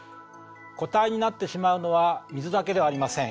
固体になってしまうのは水だけではありません。